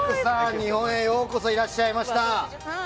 日本へようこそいらっしゃいました。